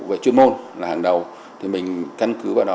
về chuyên môn là hàng đầu thì mình căn cứ vào đó